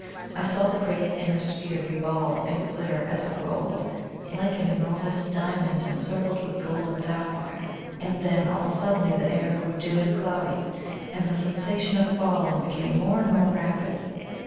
I saw the great inner sphere revolve, and glitter as it rolled, like an enormous diamond encircled with gold and sapphire, and then all suddenly the air grew dim and cloudy, and the sensation of falling became more and more rapid.